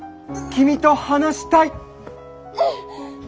・君と話したいッ！